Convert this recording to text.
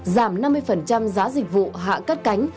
giảm năm mươi giá dịch vụ hạ cất cánh